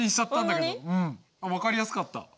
うん分かりやすかった。